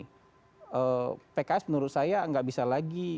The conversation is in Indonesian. dari dks menurut saya nggak bisa lagi